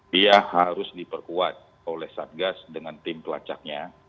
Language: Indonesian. dia harus diperkuat oleh satgas dengan tim pelacaknya